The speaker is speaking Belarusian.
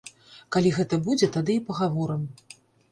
Калі гэта будзе, тады і пагаворым.